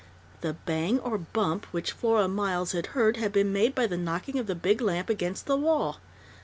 The "bang or bump" which Flora Miles had heard had been made by the knocking of the big lamp against the wall.